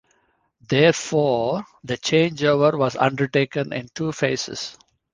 Therefore, the changeover was undertaken in two phases.